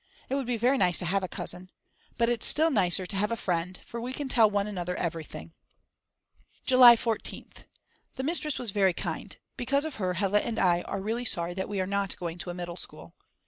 It would be very nice to have a cousin. But it's still nicer to have a friend, for we can tell one another everything. July 14th. The mistress was very kind. Because of her Hella and I are really sorry that we are not going to a middle school.